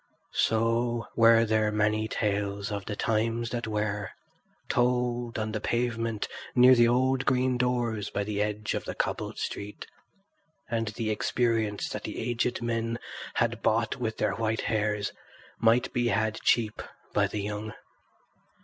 So were there many tales of the times that were, told on the pavement near the old green doors by the edge of the cobbled street, and the experience that the aged men had bought with their white hairs might be had cheap by the young.